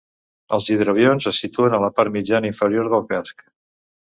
Els hidroavions es situen a la part mitjana inferior del casc.